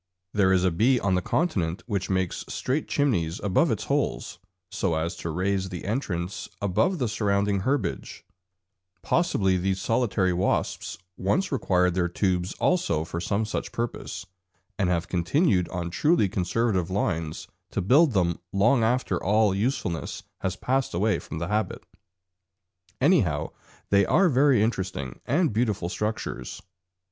There is a bee on the continent which makes straight chimneys above its holes, so as to raise the entrance above the surrounding herbage; possibly these solitary wasps once required their tubes also for some such purpose, and have continued on truly conservative lines to build them long after all usefulness has passed away from the habit; anyhow they are very interesting and beautiful structures.